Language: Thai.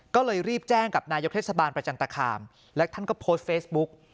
ก็เลยรีบแจ้งกับนายกเทศบาลประจันตคามและท่านก็โพสต์เฟซบุ๊ก